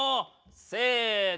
せの。